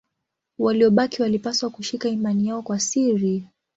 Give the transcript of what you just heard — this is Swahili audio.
Waliobaki walipaswa kushika imani yao kwa siri.